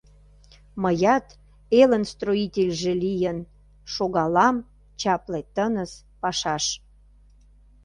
Мыят, элын строительже лийын, Шогалам чапле тыныс пашаш.